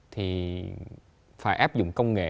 thì phải áp dụng công nghệ